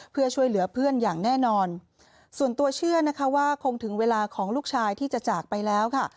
เพื่อช่วยเหลือเพื่อนอย่างแน่นอนส่วนตัวเชื่อนะคะว่าคงถึงเวลาของลูกชายที่จะจากไปแล้วค่ะ